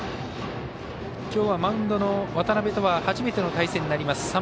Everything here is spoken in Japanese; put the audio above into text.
きょうはマウンドの渡邊と初めての対戦となります。